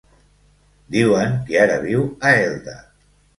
Diuen que ara viu a Elda.